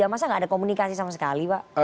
masa nggak ada komunikasi sama sekali pak